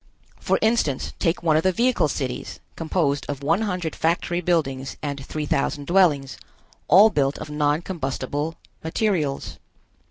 For instance, take one of the vehicle cities, composed of one hundred factory buildings and three thousand dwellings, all built of non combustible materials.